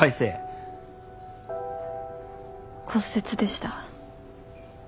骨折でした。